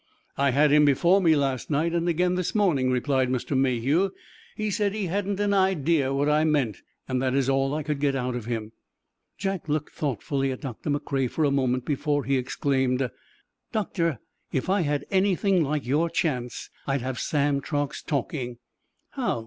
"I had him before me last night, and again this morning," replied Mr. Mayhew. "He said he hadn't an idea what I meant, and that is all I could get out of him." Jack looked thoughtfully at Doctor McCrea for a moment before he exclaimed: "Doctor, if I had anything like your chance, I'd have Sam Truax talking!" "How?"